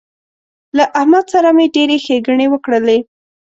له احمد سره مې ډېرې ښېګڼې وکړلې